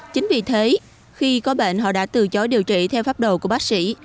chính vì thế khi có bệnh họ đã từ chối điều trị theo pháp đồ của bác sĩ